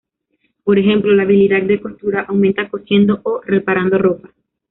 Por ejemplo la habilidad de "costura" aumenta cosiendo o reparando ropa.